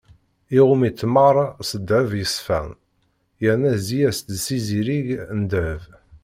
Iɣumm-itt meṛṛa s ddheb yeṣfan yerna yezzi-as-d s izirig n ddheb.